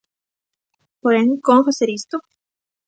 Porén, como facer isto?